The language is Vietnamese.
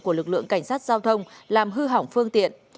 của lực lượng cảnh sát giao thông làm hư hỏng phương tiện